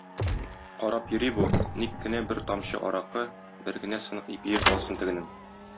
Карап йөри бу, ник кенә бер тамчы аракы, бер генә сынык ипие калсын тегенең.